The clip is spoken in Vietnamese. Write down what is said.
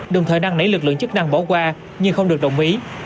đồng thời năng nảy lực lượng chức năng bỏ qua nhưng không được đồng ý